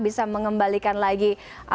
bisa mengembalikan lagi